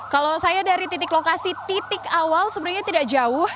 kalau saya dari titik lokasi titik awal sebenarnya tidak jauh